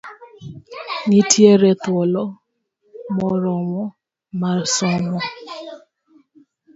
Nitiere thuolo moromo mar somo.